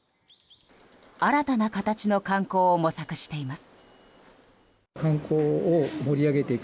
新たな形の観光を模索しています。